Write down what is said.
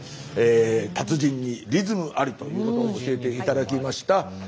「達人にリズムあり」ということを教えて頂きました。